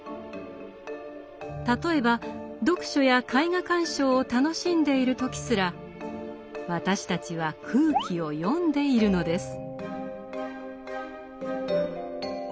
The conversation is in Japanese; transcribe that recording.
例えば読書や絵画鑑賞を楽しんでいる時すら私たちは空気を読んでいるのです。